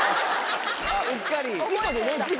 うっかり。